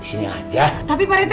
ini orang pak rete